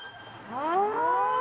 ああ。